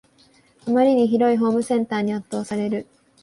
あまりに広いホームセンターに圧倒される